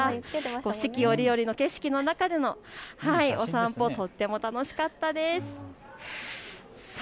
四季折々の景色の中でのお散歩とっても楽しかったです。